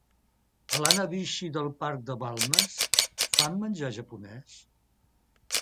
Al Hanabishi del Parc de Balmes fan menjar japonés?